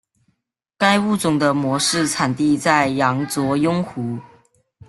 该物种的模式产地在羊卓雍湖。